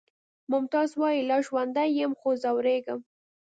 ممتاز وایی لا ژوندی یم خو ځورېږم